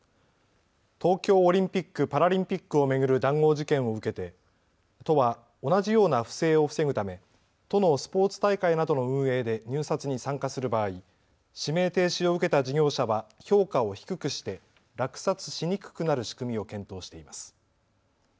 東京オリンピック・パラリンピックを巡る談合事件を受けて都は同じような不正を防ぐため都のスポーツ大会などの運営で入札に参加する場合、指名停止を受けた事業者は評価を低くして落札しにくくなる仕組みを検討しています。